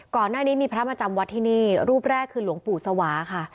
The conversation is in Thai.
ก่อนหน้านี้มีพระมาจำวัดที่นี่รูปแรกคือหลวงปู่สวาค่ะ